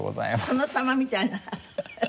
殿様みたいな。